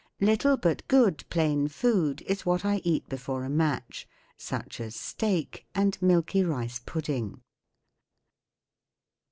Little but good plain food is what I eat before a match, such as steak and milky rice pudding.